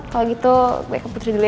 kalo gitu gue ke putri dulu ya